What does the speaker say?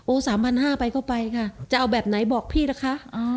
โอ้๓๕๐๐ไปก็ไปค่ะจะเอาแบบไหนบอกพี่ล่ะค่ะ